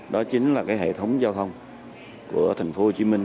đó chính là cái hệ thống giao thông của thành phố hồ chí minh